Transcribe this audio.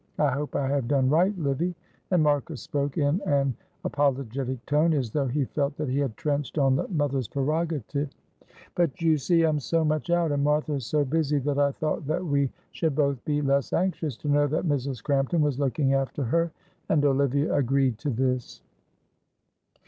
I hope I have done right, Livy;" and Marcus spoke in an apologetic tone, as though he felt that he had trenched on the mother's prerogative; "but, you see, I am so much out, and Martha is so busy, that I thought that we should both be less anxious to know that Mrs. Crampton was looking after her," and Olivia agreed to this.